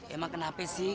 emang kenapa sih